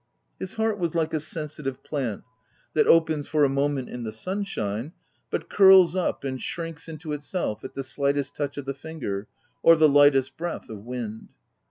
His heart was like a sensitive plant, that opens for a moment in the sunshine, but curls up and shrinks into itself at the slightest touch of the finger, or the lightest breath of wind.